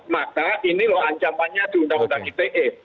maka ini loh ancamannya di undang undang ite